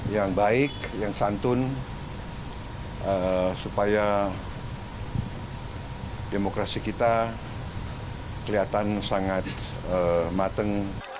yang baik yang santun supaya demokrasi kita kelihatan sangat mateng